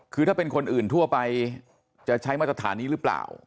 คือถ้าเป็นคนอื่นทั่วไปจะใช้มาตรฐานนี้หรือเปล่า